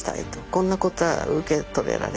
こんなことは受け止められ。